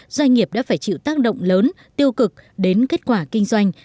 doanh nghiệp đã phải chịu tác động lớn tiêu cực đến kết quả kinh doanh